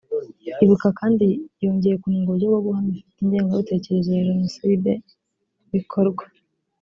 Ibuka kandi yongeye kunenga uburyo bwo guhamya ufite ingengabitekerezo ya Jenoside bikorwa